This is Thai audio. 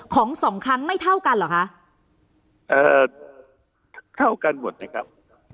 สองครั้งไม่เท่ากันเหรอคะเอ่อเท่ากันหมดนะครับ